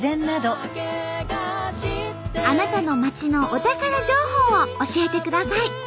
あなたの町のお宝情報を教えてください。